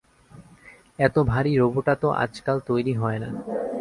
এত ভারি রোবটাতো আজকাল তৈরি হয় না।